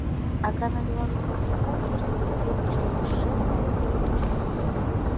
Акрамя беларусаў у конкурсе ўдзельнічала яшчэ пяць гуртоў.